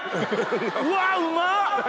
うわうまっ！